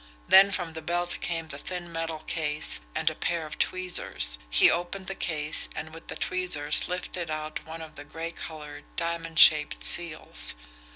Then from the belt came the thin metal case and a pair of tweezers. He opened the case, and with the tweezers lifted out one of the gray coloured, diamond shaped seals.